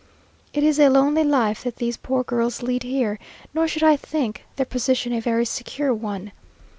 It is a lonely life that these poor girls lead here, nor should I think their position a very secure one.